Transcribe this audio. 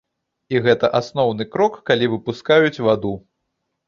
І гэта асноўны крок, калі выпускаюць ваду.